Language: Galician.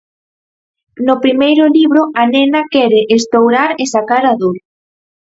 No primeiro libro a nena quere estourar e sacar a dor.